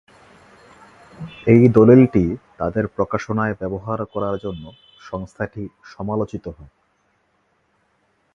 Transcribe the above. এই দলিলটি তাদের প্রকাশনায় ব্যবহার করার জন্য সংস্থাটি সমালোচিত হয়।